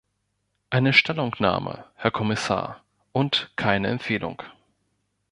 Eine Stellungnahme, Herr Kommissar, und keine Empfehlung.